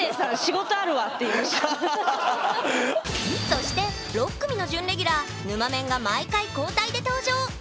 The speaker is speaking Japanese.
そして６組の準レギュラー「ぬまメン」が毎回交代で登場！